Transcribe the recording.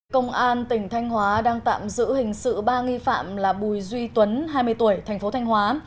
công an tỉnh thanh hóa đang tạm giữ hình sự ba nghi phạm là bùi duy tuấn hai mươi tuổi thành phố thanh hóa